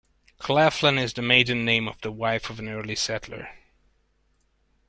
Claflin is the maiden name of the wife of an early settler.